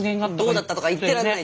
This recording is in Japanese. どうだったとか言ってられない。